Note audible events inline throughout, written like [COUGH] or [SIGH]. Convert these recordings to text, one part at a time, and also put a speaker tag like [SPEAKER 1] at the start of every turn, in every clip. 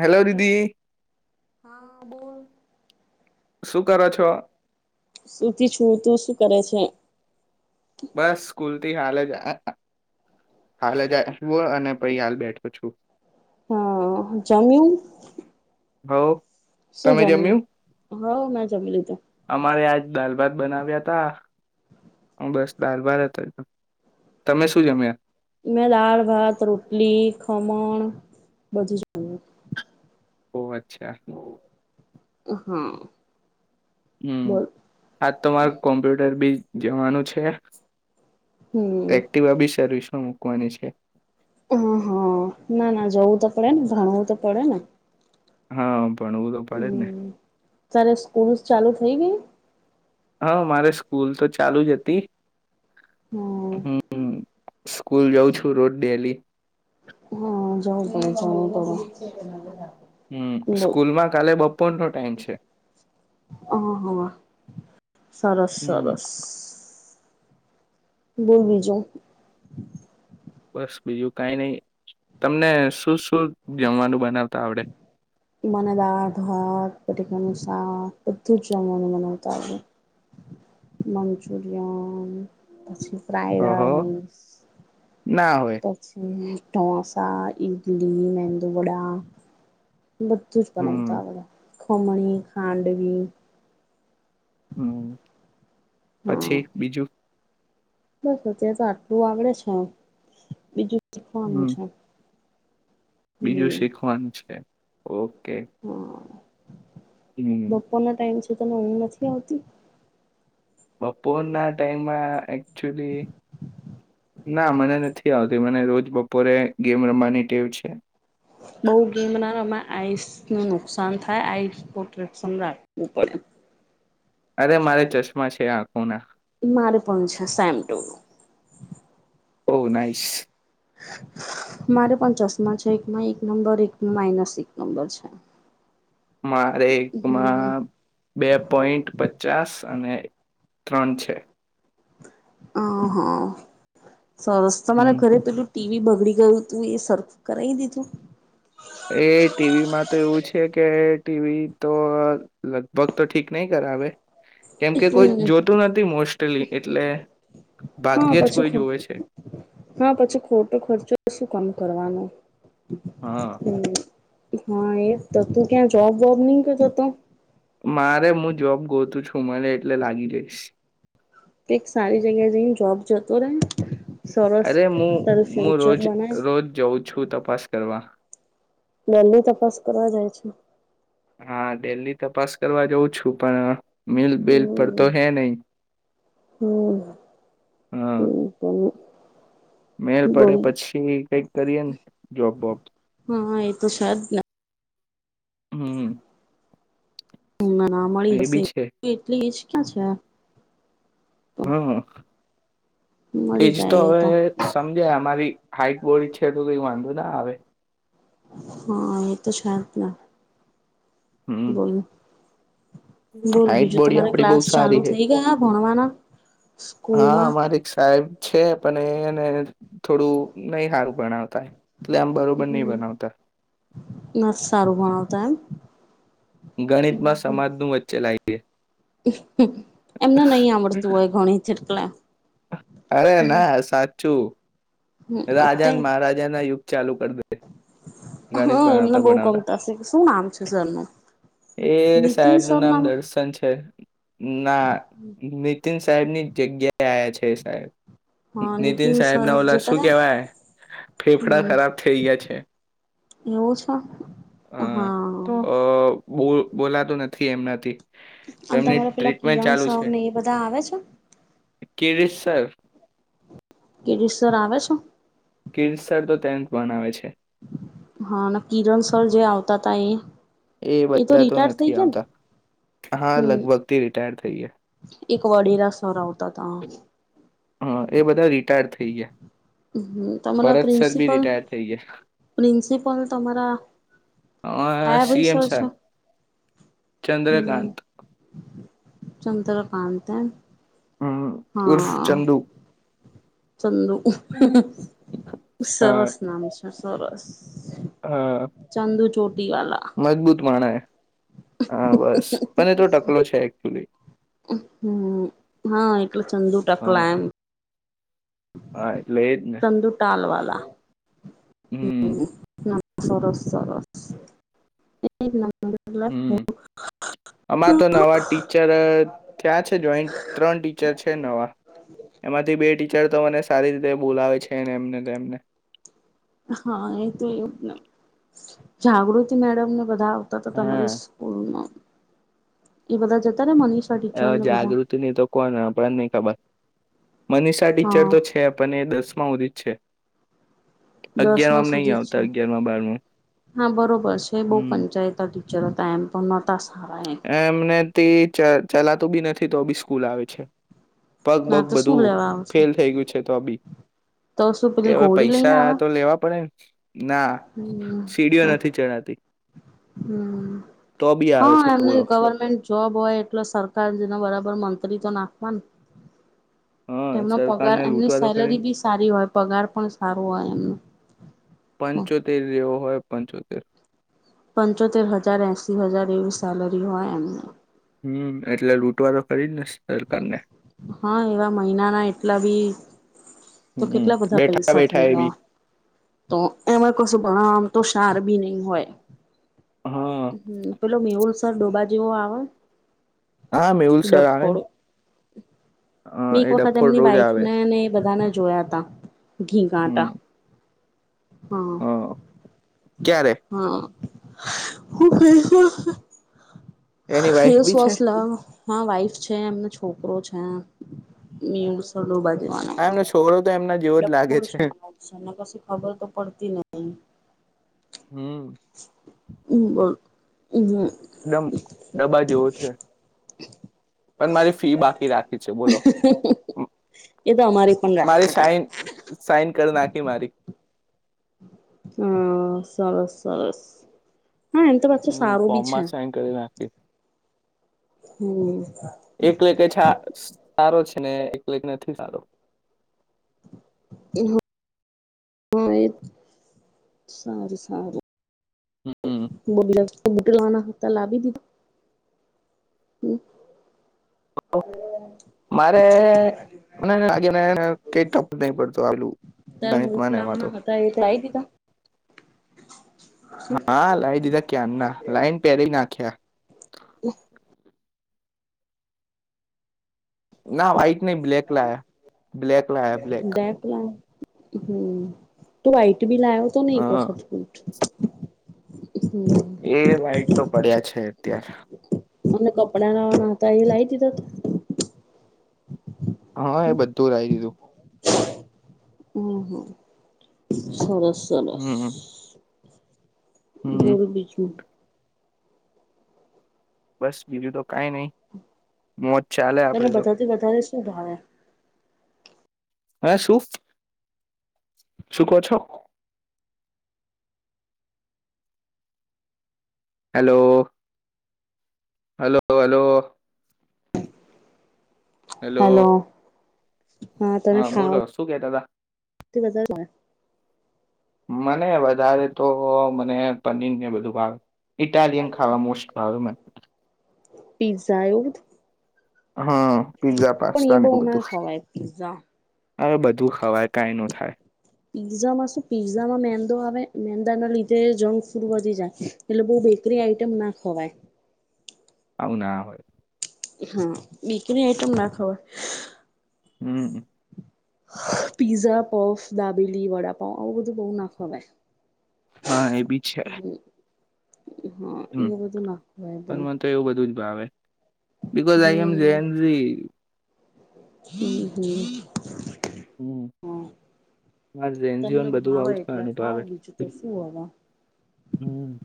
[SPEAKER 1] Hello
[SPEAKER 2] hello
[SPEAKER 1] દીદી
[SPEAKER 2] હા બોલ
[SPEAKER 1] શું કરો છો
[SPEAKER 2] સુતી છું હું તુ શું કરે છે
[SPEAKER 1] બસ સ્કૂલ થી હાલે જ હાલ જું અને પછી હાલ બેઠો છું
[SPEAKER 2] હા જમ્યું
[SPEAKER 1] હ તમે જમ્યું
[SPEAKER 2] હવ મેં જમી લીધું
[SPEAKER 1] અમારે આજ દાલ ભાત બનાવ્યા તા હું બસ ડાળ ભાત જ હતો તમે શું જમ્યા
[SPEAKER 2] મેં દાળ, ભાત, રોટલી, ખમણ બધું જમ્યું.
[SPEAKER 1] ઓહ, અચ્છા.
[SPEAKER 2] હા.
[SPEAKER 1] હમ્મ,
[SPEAKER 2] બોલ
[SPEAKER 1] આજ તો માર કોમ્પ્યુટર ભી જવાનું છે.
[SPEAKER 2] હમ
[SPEAKER 1] એક્ટિવા ભી સર્વિસ માં મોક કવાની છે.
[SPEAKER 2] હા, હા, ના-ના જવું તો પડે ને ભણવું તો પડે ન.
[SPEAKER 1] હા. ભણવું તો પડે જ ને.
[SPEAKER 2] તારે સ્કૂલસ ચાલુ થઇ ગઈ?
[SPEAKER 1] હા, મારે સ્કૂલ તો ચાલુ જ હતી.
[SPEAKER 2] હમ
[SPEAKER 1] હમ્મ, સ્કૂલ જઉં છું રોજ ડેલી.
[SPEAKER 2] હા જવું પડે જવું પડે
[SPEAKER 1] હમ્મ,
[SPEAKER 2] બોલ
[SPEAKER 1] સ્કૂલમાં કાલે બપોર નો ટાઈમ છે. હમ
[SPEAKER 2] સરસ-સરસ. બોલ બીજુ?
[SPEAKER 1] બસ બીજું કાઈ નહી તમને શું-શું જમવાનું બનાવતા આવડે?
[SPEAKER 2] મને દાળ, ભાત, બટેકા નું શાક બધું જ જમવાનું બનાવતા આવડે. મંચુરિયન પછી
[SPEAKER 1] ઓહો
[SPEAKER 2] ફ્રાઇ-રાઇસ
[SPEAKER 1] ના હોય
[SPEAKER 2] પછી ડોસા, ઇડલી, મેંદુવડા બધું જ
[SPEAKER 1] હમ
[SPEAKER 2] બનાવતા આવડે. ખમણી, ખાંડવી
[SPEAKER 1] હમ્મ.
[SPEAKER 2] હા
[SPEAKER 1] પછી બીજું
[SPEAKER 2] બસ, અત્યારે તો આટલું આવડે છે. બીજું શીખવાનું
[SPEAKER 1] હમ
[SPEAKER 2] છે.
[SPEAKER 1] બીજું શીખવાનું છે. ઓ
[SPEAKER 2] હમ્મ.
[SPEAKER 1] હમ
[SPEAKER 2] બપોર ના ટાઈમ છે. તમે ઉઘ નથી આવતી.
[SPEAKER 1] બપોરના ટાઈમમાં એકચુલી ના મને નથી આવતી મને રોજ બપોરે ગેમ રમવાની ટેવ છે.
[SPEAKER 2] બહુ ગેમના ના રમાંય આઈસ નુ નુકસાન થાય આઈસ પ્રોટેક્શન રાખવું પડે.
[SPEAKER 1] અરે મારે ચશ્મા છે આંખોના
[SPEAKER 2] મારે પણ છે સેમ ટુ.. હ.
[SPEAKER 1] Oh nice.
[SPEAKER 2] મારે પણચાસમાં છે. એકમાં એક નંબર, એકમાં માઇનસ એક નંબર છે.
[SPEAKER 1] મારે
[SPEAKER 2] હમ
[SPEAKER 1] એકમાં બે પોઈન્ટ પચાસ અને ત્રણ છે.
[SPEAKER 2] હ હા. સરસ
[SPEAKER 1] હમ
[SPEAKER 2] મને ઘરે તો ટીવી બગડી ગયું તું એ સર્ખુ કરાવી દીધું?
[SPEAKER 1] એ ટીવીમાં તો એવું છે કે ટીવી તો લગભગ તો ઠીક નહી કરાવે કેમ કે કોઈ
[SPEAKER 2] હમ
[SPEAKER 1] જોતું નથી, મોસ્ટલી એટલે
[SPEAKER 2] હા
[SPEAKER 1] ભાગ્યે જ
[SPEAKER 2] પછી
[SPEAKER 1] કોઈ
[SPEAKER 2] ખો
[SPEAKER 1] જોવે છે.
[SPEAKER 2] હા પછી ખોટો ખર્ચો શું કામ કરવાનો
[SPEAKER 1] હા
[SPEAKER 2] હમ. હા એ તો તું ક્યાં જોબ વોબ નહી કરતો હતો?
[SPEAKER 1] મારે જોબ ગોતું હું મને એટલે લાગી જઈશ.
[SPEAKER 2] કોઈક સારી જગ્યા જઈને જોબ જતો રહેે ન.
[SPEAKER 1] અરે હું હું રોજ રોજ જઉં છું તપાસ કરવા.
[SPEAKER 2] ડેલી તપાસ કરવા જાય છે?
[SPEAKER 1] હા ડેલી તપાસ કરવા જાઉં છું પણ. મિલ બલ પર તો
[SPEAKER 2] હમ
[SPEAKER 1] હૈ નહી
[SPEAKER 2] હમ
[SPEAKER 1] હા.
[SPEAKER 2] હમ
[SPEAKER 1] મેલ પડે
[SPEAKER 2] બોલ
[SPEAKER 1] પછી કઈક કરીએ ને જોબ વોબ.
[SPEAKER 2] તે તો છે જ ને.
[SPEAKER 1] હમ
[SPEAKER 2] હમ ના ના મળી
[SPEAKER 1] એ
[SPEAKER 2] હશે
[SPEAKER 1] બી છે
[SPEAKER 2] એટલી એજ ક્યાં છે
[SPEAKER 1] હા
[SPEAKER 2] મળી
[SPEAKER 1] એજ તો
[SPEAKER 2] જાય એ
[SPEAKER 1] હવે સમજે અમારી હાઈટ બોડી છે, તો કઈ વાંધો ના આવે
[SPEAKER 2] હા એ તો છે, જ ને.
[SPEAKER 1] હમ
[SPEAKER 2] બોલો બોલ
[SPEAKER 1] હાઈટ
[SPEAKER 2] બીજું
[SPEAKER 1] બોડી
[SPEAKER 2] તમારે
[SPEAKER 1] આપડી બહુ
[SPEAKER 2] ક્લાસ
[SPEAKER 1] સારી
[SPEAKER 2] ચાલુ
[SPEAKER 1] છે
[SPEAKER 2] થઈ ગયા ભણવાના?
[SPEAKER 1] હા
[SPEAKER 2] સ્કૂલમાં?
[SPEAKER 1] અમારે એક સાહેબ છે, પણ એ-એને થોડું નહી હારું ભણાવ
[SPEAKER 2] હમ મસ સારું ભણાવતા એમ
[SPEAKER 1] ગણિતમાં સમાજનું વચ્ચે લાય [INAUDIBLE]
[SPEAKER 2] એમને નહી
[SPEAKER 1] દે
[SPEAKER 2] આવડતું હોય ગણિત જેટલા
[SPEAKER 1] અરે ના સાચ ચુ.
[SPEAKER 2] તે
[SPEAKER 1] રાજાને મહારાજા ના યુગ ચાલુ કરી દે ગણીત
[SPEAKER 2] હા એમને
[SPEAKER 1] ભણવતા
[SPEAKER 2] બહુ
[SPEAKER 1] ભણવતા
[SPEAKER 2] ગમતા હશે શું નામ છે સરનું
[SPEAKER 1] એ
[SPEAKER 2] નીતિન
[SPEAKER 1] સાહેબનું
[SPEAKER 2] સર
[SPEAKER 1] નામ દર્શન છે, ના તીન સાહેબની જગ્યા એ આયા છે સાહેબ
[SPEAKER 2] હા
[SPEAKER 1] નીતિન સાહેબ
[SPEAKER 2] સર
[SPEAKER 1] ના ઓલા
[SPEAKER 2] જતા
[SPEAKER 1] શું
[SPEAKER 2] રહ્યા
[SPEAKER 1] કેવાય ફેફડા
[SPEAKER 2] હમ
[SPEAKER 1] ખરાબ થઈ ગયા છે.
[SPEAKER 2] એવું છે, હા
[SPEAKER 1] ઓ બોલાતું નથી એમનાથી તો
[SPEAKER 2] અને
[SPEAKER 1] એમની
[SPEAKER 2] તમારા પેલા
[SPEAKER 1] ટ્રીટમેન્ટ
[SPEAKER 2] કિરણ
[SPEAKER 1] ચાલુ છે
[SPEAKER 2] સરને એ બધા આવે છે.
[SPEAKER 1] કિરીટ સર
[SPEAKER 2] ગીરીસર આવે છે.
[SPEAKER 1] ગીરીસ સર તો ટેનથ ભનાવે છે.
[SPEAKER 2] હા અને કિરણ સર જે આવતા હતા એ
[SPEAKER 1] એ બધા તો
[SPEAKER 2] રિટાયર્ડ થઈ
[SPEAKER 1] નથી
[SPEAKER 2] ગયા ને
[SPEAKER 1] આવતા હા લગભગ
[SPEAKER 2] હમ
[SPEAKER 1] તે રિટાયર થઈ ગયા
[SPEAKER 2] એક વડી રા સર આવ તા તા
[SPEAKER 1] હા એ બધા રિટાયર થઈ ગયા
[SPEAKER 2] હમ તમારા
[SPEAKER 1] ભરત સર બી રિટાયર થઈ ગયા
[SPEAKER 2] ન્સિપલ તમારા
[SPEAKER 1] અ
[SPEAKER 2] કયા
[SPEAKER 1] સી
[SPEAKER 2] ભાઈ
[SPEAKER 1] એમ
[SPEAKER 2] સર છે
[SPEAKER 1] સાહેબ
[SPEAKER 2] હમ
[SPEAKER 1] ચંદ્રકાંત
[SPEAKER 2] ચંદ્રકાંત એમ
[SPEAKER 1] હમ ઉર્ફ
[SPEAKER 2] હા
[SPEAKER 1] ચંદુ
[SPEAKER 2] ચંદુ
[SPEAKER 1] હા
[SPEAKER 2] સરસ નામ છે સરસ.
[SPEAKER 1] હા
[SPEAKER 2] ચાંદુ ચોટ
[SPEAKER 1] મજબૂત માણે એ. હા બસ મને તો ટકલો છે એક્ચ્યુલી. [INAUDIBLE]
[SPEAKER 2] હમ હા એટલે ચંદુ
[SPEAKER 1] હા
[SPEAKER 2] ટકલા એમ.
[SPEAKER 1] હા એટલે એજ ને
[SPEAKER 2] ચંદુ ટાલ વાલા. [INAUDIBLE]
[SPEAKER 1] હમ
[SPEAKER 2] હમ્મ ના. સરસ સરસ એ
[SPEAKER 1] હમ્મ આમાં તો નવા ટીચર થયા છે જોઈન્ટ ત્રણ ટીચર છે નવા એમાંથી બે ટી ચર તો મને સારી રીતે બોલાવે છે ને એમને તેમને.
[SPEAKER 2] હા એ તો એવું ને જાગૃતિ મેડમ ને બધા તો તો તમારી
[SPEAKER 1] હા
[SPEAKER 2] સ્કૂલનો એ બધા જતાને મન
[SPEAKER 1] હા જાગૃતિ ની તો કોણ આપણને નહી ખબર. મનીષા ટીચર
[SPEAKER 2] હા
[SPEAKER 1] તો છે પણ એ દસ માં હુદી છે.
[SPEAKER 2] દસમાં
[SPEAKER 1] અગિયારમાં નહીં
[SPEAKER 2] સુધી જ છે
[SPEAKER 1] આવતા અગિયારમાં બારમાં
[SPEAKER 2] હા બરોબર છે બો ફાઇન
[SPEAKER 1] હમ
[SPEAKER 2] જાય [UNINTELLIGIBLE] ચાલો ટાઈમ પણ [UNINTELLIGIBLE]
[SPEAKER 1] એમને તે ચા ચલાતું બી નથી તો બી સ્કૂલ આવે છે. પગ
[SPEAKER 2] ના
[SPEAKER 1] પગ
[SPEAKER 2] તો શું
[SPEAKER 1] બધું
[SPEAKER 2] લેવા આવશે
[SPEAKER 1] ફેલ થઈ ગયું છે તો બી
[SPEAKER 2] તો શું
[SPEAKER 1] એ
[SPEAKER 2] પેલી
[SPEAKER 1] હવે
[SPEAKER 2] ઘોડી લઈને
[SPEAKER 1] પૈસા
[SPEAKER 2] આવે
[SPEAKER 1] તો લેવા પડે ના
[SPEAKER 2] હમ
[SPEAKER 1] સીડીઓ નથી ચણાતી તો બી આવે છે.
[SPEAKER 2] મને
[SPEAKER 1] બોલો
[SPEAKER 2] ગવર્મેન્ટ જોબ હોય એટલે સરકાર ના બરાબર મંત્રી જો નાખવા
[SPEAKER 1] હા
[SPEAKER 2] એમનો પગાર
[SPEAKER 1] સરકારને
[SPEAKER 2] એમની
[SPEAKER 1] લૂંટવા તો ખરી
[SPEAKER 2] સેલરી બી સારી હોય પગાર પણ સારો હોય એમનું ના.
[SPEAKER 1] પંચોતેર જેવો હોય પંચોતેર
[SPEAKER 2] પંચોતેર હજાર એસી હજાર એવી સેલરી હોય એમને.
[SPEAKER 1] હમ્મ એટલે લૂટવા તો કરી જ ને સરકાર ને.
[SPEAKER 2] હા એવા મહિનાના એટલા બી તો
[SPEAKER 1] હમ
[SPEAKER 2] કેટલા બધા
[SPEAKER 1] બેઠા
[SPEAKER 2] પૈસા થઈ
[SPEAKER 1] બેઠા એ બી
[SPEAKER 2] ગયા તો એમાં કશું ભણવા તો સાર બી નહી હોય.
[SPEAKER 1] હા
[SPEAKER 2] હમ્મ પેલો મીહુલ સર ડોબા જેવો આવે
[SPEAKER 1] હા મેહુલ સર આ રહે હે.
[SPEAKER 2] મે એક વખત એમની
[SPEAKER 1] આવે
[SPEAKER 2] વાઈફને એ બધાના જોયા તા ઘી
[SPEAKER 1] હમ
[SPEAKER 2] ઘાંટા હા!
[SPEAKER 1] હ ક્યારે
[SPEAKER 2] હા! [INAUDIBLE] હું
[SPEAKER 1] એની વાઈફ
[SPEAKER 2] ફેસ
[SPEAKER 1] બી છે
[SPEAKER 2] વોશ લાવો હા વાઈફ છે. એમનો છોકરો છે. મેહુલ સર ડોબા જે
[SPEAKER 1] આ એમનો છોકરો તો એમના
[SPEAKER 2] [INAUDIBLE]
[SPEAKER 1] જેવો જ લાગે
[SPEAKER 2] ડફોળ છે. છેને પછી ખબર તો પડતી નહી.
[SPEAKER 1] હમ
[SPEAKER 2] હમ બોલ? હમ
[SPEAKER 1] ડમ ડબ્બા જેવો છે. પણ, મારી ફી બાકી રાખી છે બોલો?
[SPEAKER 2] એ તો અમારી પણ રાખતા
[SPEAKER 1] મારી
[SPEAKER 2] હતા.
[SPEAKER 1] સાઈન સાઈન કરી નાખી મારી.
[SPEAKER 2] હા સરસ સરસ. હા એમ તો પાછું
[SPEAKER 1] હમ!
[SPEAKER 2] સારું બી છે
[SPEAKER 1] ફોર્મમાં જ સાઈન કરી નાખી.
[SPEAKER 2] હમ.
[SPEAKER 1] એકલે કે છાસ સારો છે ને, એટલે કે નથી સારો.
[SPEAKER 2] [INAUDIBLE] એ [INAUDIBLE] સારું સારું.
[SPEAKER 1] હમ
[SPEAKER 2] બગલા ઉમટ [INAUDIBLE] લવાના હતા લાવી દીધા હમ.
[SPEAKER 1] મારે મ [UNINTELLIGIBLE] કઈ ટપો નહી પડતો આલું
[SPEAKER 2] તારે બુટ
[SPEAKER 1] ગણિતમાંને એમાં તો.
[SPEAKER 2] લાવવાના હતા એ લાવી દીધા
[SPEAKER 1] હા લાઇ દીધા ક્યાંરના, લાઈને પહેરી નાખ્યા.
[SPEAKER 2] હ [INAUDIBLE]
[SPEAKER 1] ના વાઈટ નય બ્લેક લાયા, બ્લેક લાયા બ્લેક
[SPEAKER 2] બેગ લાવ હમ તું આઈ એ બી લાયો તો ને
[SPEAKER 1] હ
[SPEAKER 2] એક વખત. [INAUDIBLE] હમ.
[SPEAKER 1] એ! વાઇટ તો પડ્યાં છે અત્યારે.
[SPEAKER 2] અને કપડાં લાવવાના હતા એ લાવી દીધા હતા?
[SPEAKER 1] હા એ બધું લાઈ દીધું.
[SPEAKER 2] હમ! હમ! સરસ. સલસ.
[SPEAKER 1] હમ હમ
[SPEAKER 2] ધઢોલ બીજુ.
[SPEAKER 1] બસ બીજું તો કાઈ નહી.
[SPEAKER 2] તને વધાતી વધારે શું શું ભાવે.
[SPEAKER 1] હા શું, શું કો છો? હેલો. Hello hello. હેલો.
[SPEAKER 2] તને
[SPEAKER 1] હા બોલો
[SPEAKER 2] ખાવા
[SPEAKER 1] શું કેતા તા?
[SPEAKER 2] પીઝા
[SPEAKER 1] મને વધારે તો અને પનીર ને બધું ભાવે. ઇટાલિયાન ખાવા મોસ્ટસ્ટ ભાવ મને.
[SPEAKER 2] પિ્ઝા એવુ બધુ-
[SPEAKER 1] હા. પીઝા
[SPEAKER 2] પણ એ
[SPEAKER 1] પાસ્તા ને
[SPEAKER 2] બઉ
[SPEAKER 1] એવું બધું
[SPEAKER 2] ના ખવાય પિઝા.
[SPEAKER 1] હવે બધું ખવાય કઈ નો થાય.
[SPEAKER 2] પીઝામાં શું પીઝામાં મેંદો આવે, મેંદા ના લીધે જંક ફૂડ વધી જાય. એટલે બહ બેકરી આઈટમ ના ખવાય.
[SPEAKER 1] આવું ના હોય.
[SPEAKER 2] હા. બીક ની આઈટમ ના ખવાય
[SPEAKER 1] હમ્મ.
[SPEAKER 2] પીઝા, પફ, દાબેલી, વડાપાઉ આવું બધું બોવ ના ખવાય.
[SPEAKER 1] હા એ બી છે.
[SPEAKER 2] હા
[SPEAKER 1] હમ્
[SPEAKER 2] એવું બધું ના ખવાય બહુ
[SPEAKER 1] પણ મને તો એવું બધું જ ભાવે. Because I M Gen Z.
[SPEAKER 2] હમ્મ હમ્મ.
[SPEAKER 1] હમ મારે
[SPEAKER 2] તમને
[SPEAKER 1] ઝેન્ઝીઓને બધું
[SPEAKER 2] ભાવે
[SPEAKER 1] આવુંજ
[SPEAKER 2] એટલે
[SPEAKER 1] ખાવાનું
[SPEAKER 2] ખાઓ
[SPEAKER 1] ભાવે
[SPEAKER 2] બીજું તો શું હવે
[SPEAKER 1] હમ.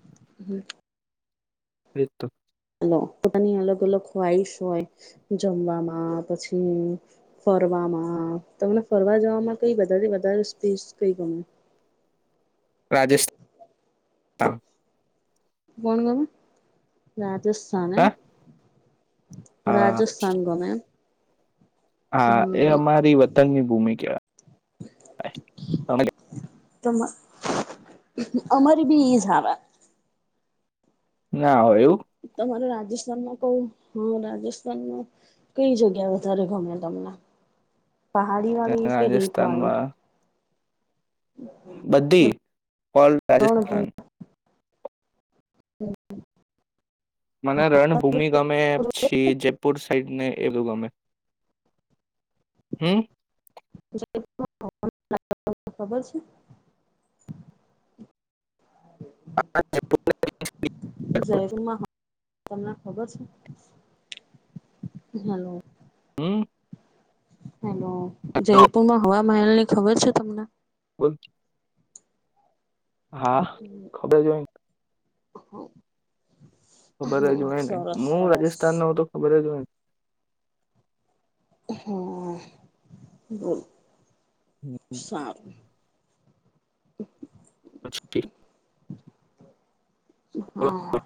[SPEAKER 1] એ તો
[SPEAKER 2] નો પોતાની અલગ અલગ ખ્વાઈસ હોય જમવામાં પછી ફરવામાં તમને ફરવા જવામાં કઈ વધારે વધારે સ્પેસ કઈ ગમે?
[SPEAKER 1] રાજસ્થાન.
[SPEAKER 2] કોણ ગમે રા જસ્થાન એમ.
[SPEAKER 1] હા હા
[SPEAKER 2] રાજસ્થાન ગમે એમ.
[SPEAKER 1] હા
[SPEAKER 2] હમ
[SPEAKER 1] એ
[SPEAKER 2] હમ
[SPEAKER 1] અમારી વતનની ભૂમિકા.
[SPEAKER 2] તમા અમારી બી ઇજ આવે.
[SPEAKER 1] ના હોય એવું?
[SPEAKER 2] તમારે રાજસ્થાનમાં કઈ હા રાજસ્થાનમાં કઈ જગ્યા વધારે ગમે તમને? પહાડીવાળી કે રેતવાળી?
[SPEAKER 1] રાજસ્થાનમાં બધી. ઓલ રાજસ્થાન.
[SPEAKER 2] રણભૂમિ [INAUDIBLE]
[SPEAKER 1] મને રણભૂમિ ગમે છી જયપુર સાઈડ ને એવુ ગમે. હમ્મ?
[SPEAKER 2] [INAUDIBLE] ખબર છે? [INAUDIBLE] ખબર છે? હલો.
[SPEAKER 1] હમ્મ.
[SPEAKER 2] હલો. જયપુરમાં હવા મહેલની ખબર છે તમને?
[SPEAKER 1] બોલ હા, ખબર જ હોય ન.
[SPEAKER 2] [INAUDIBLE]
[SPEAKER 1] ખબર
[SPEAKER 2] હમ
[SPEAKER 1] જ હોય ને
[SPEAKER 2] સરસ
[SPEAKER 1] હું
[SPEAKER 2] સરસ
[SPEAKER 1] રાજસ્થાનનો હો તો ખબર જ હોય ને.
[SPEAKER 2] હમ્મ.
[SPEAKER 1] ને.
[SPEAKER 2] [INAUDIBLE] સારું. [INAUDIBLE]
[SPEAKER 1] [INAUDIBLE]
[SPEAKER 2] [INAUDIBLE] હા.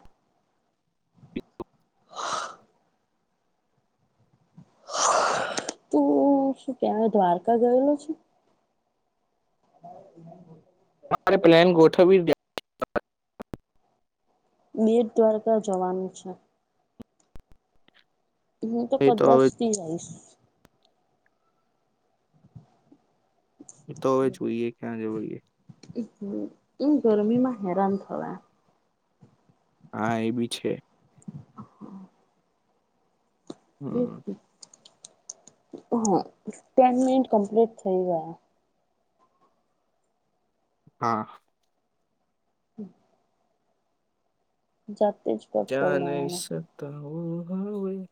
[SPEAKER 2] તું શું કે દ્વારકા ગયેલો છે? [INAUDIBLE]
[SPEAKER 1] તમારે પ્લાન ગોઠવી [INAUDIBLE]
[SPEAKER 2] બેડ દ્વારકા જવાનું છે. હું તો
[SPEAKER 1] જ
[SPEAKER 2] કદાચ
[SPEAKER 1] હવે
[SPEAKER 2] થી આઈશ.
[SPEAKER 1] એ તો હવે જોઈએ ક્યાં જવું છે. છે.
[SPEAKER 2] ઉ હમ્મ. ઈમ ગરમીમાં હેરાન થવા.
[SPEAKER 1] હા એ બી છે.
[SPEAKER 2] અ
[SPEAKER 1] હમ
[SPEAKER 2] હમ્મ. હા, ટેન મિનિટ કમ્પ્લીટ થઈ ગયા.
[SPEAKER 1] હા.
[SPEAKER 2] અહ. [INAUDIBLE] [UNINTELLIGIBLE]
[SPEAKER 1] હવ હોય.